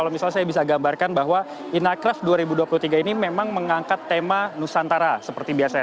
kalau misalnya saya bisa gambarkan bahwa inacraft dua ribu dua puluh tiga ini memang mengangkat tema nusantara seperti biasanya